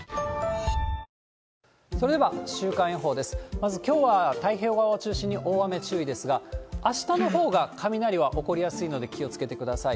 まずきょうは、太平洋側を中心に大雨注意ですが、あしたのほうが雷は起こりやすいので気をつけてください。